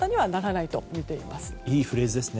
いいフレーズですね。